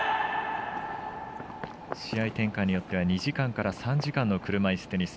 試合展開によっては２時間から３時間の車いすテニス。